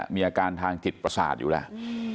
มีอาการทางจิตประสาทอยู่แล้ว